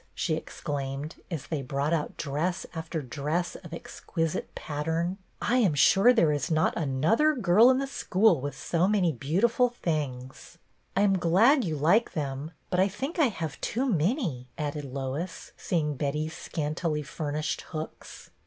" she exclaimed, as they brought out dress after dress of ex quisite pattern. " I am sure there is not another girl in the school with so many beautiful things." " I am glad you like them, but I think I have too many," added Lois, seeing Betty's scantily furnished hooks.